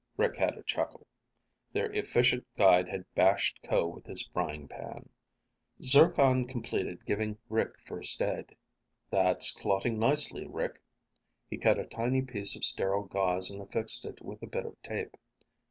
Rick had to chuckle. Their efficient guide had bashed Ko with his frying pan. Zircon completed giving Rick first aid. "That's clotting nicely, Rick." He cut a tiny piece of sterile gauze and affixed it with a bit of tape.